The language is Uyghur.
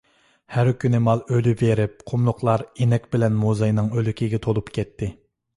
ھەر كۈنى مال ئۆلۈۋېرىپ، قۇملۇقلار ئىنەك بىلەن موزاينىڭ ئۆلۈكىگە تولۇپ كەتتى.